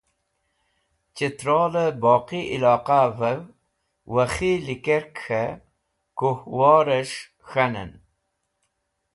Chitrolẽ boqi ilqavẽv Wakhi lekerk k̃he kuwores̃h k̃hanen.